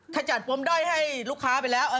ขจัดปมด้อยให้ลูกค้าไปแล้ว